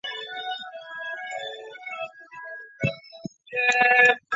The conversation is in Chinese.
申若云是和高振宇同一家国际航空公司的女性副驾驶。